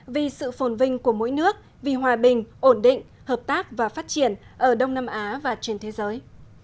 vì sự phồn vinh của mỗi nước vì hòa bình ổn định hợp tác và phát triển ở đông nam á và trên thế giới